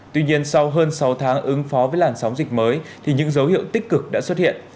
tuy nhiên sau hơn sáu tháng ứng phó với làn sóng dịch mới thì những dấu hiệu tích cực đã xuất hiện